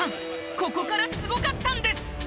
ここからすごかったんです！